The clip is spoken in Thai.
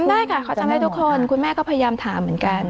ได้ค่ะเขาจำได้ทุกคนคุณแม่ก็พยายามถามเหมือนกัน